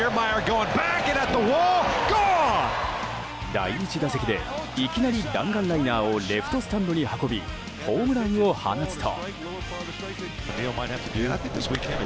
第１打席でいきなり弾丸ライナーをレフトスタンドに運びホームランを放つと。